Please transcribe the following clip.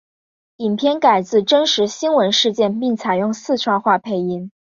影片改编自真实新闻事件并采用四川话配音。